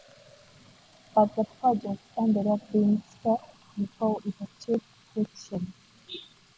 But the project ended up being scrapped before it achieved fruition.